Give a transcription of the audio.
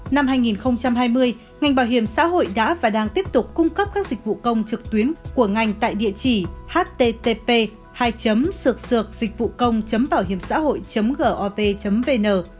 năm hai nghìn hai mươi ngành bảo hiểm xã hội đã và đang tiếp tục cung cấp các dịch vụ công trực tuyến của ngành tại địa chỉ http sượcsượcsịchvucong bảohiểmxãhội gov vn